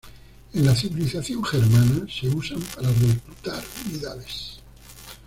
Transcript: En la civilización germana, se usan para reclutar unidades.